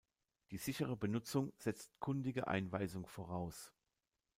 Die sichere Benutzung setzt kundige Einweisung voraus.